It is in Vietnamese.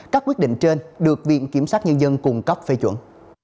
các quyết định trên được viện kiểm sát nhân dân cung cấp phê chuẩn